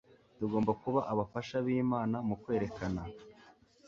Tugomba kuba abafasha bImana mu kwerekana